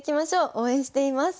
応援しています。